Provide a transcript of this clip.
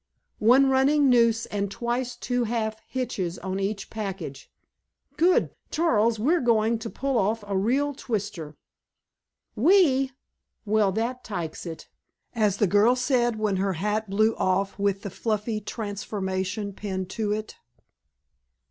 "One running noose and twice two half hitches on each package." "Good! Charles, we're going to pull off a real twister." "We! Well, that tikes it, as the girl said when her hat blew off with the fluffy transformation pinned to it."